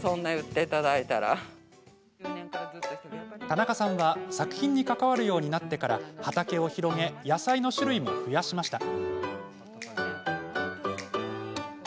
田中さんは作品に関わるようになってから畑を広げ野菜の種類も増やしました。